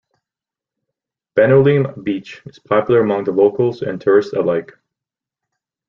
Benaulim beach is popular among the locals and tourists alike.